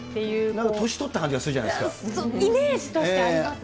なんか年取った感じがするじイメージとしてありますね。